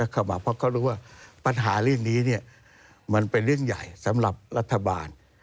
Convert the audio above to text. เข้ามาเพราะเขารู้ว่าปัญหาเรื่องนี้มันเป็นเรื่องใหญ่สำหรับรัฐบาล